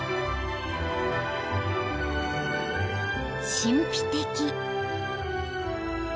［神秘的］